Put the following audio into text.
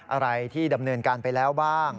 อะไรที่ดำเนินการไปแล้วบ้าง